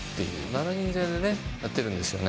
７人制でやってるんですよね。